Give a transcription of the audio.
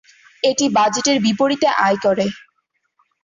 এটি বাজেট এর বিপরীতে আয় করে।